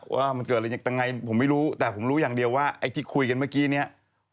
ว่ามันเกิดอะไรยังไงผมไม่รู้แต่ผมรู้อย่างเดียวว่าไอ้ที่คุยกันเมื่อกี้เนี่ย